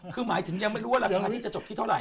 คือหมายถึงยังไม่รู้ว่าราคานี้จะจบที่เท่าไ